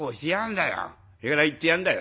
だから言ってやんだよ。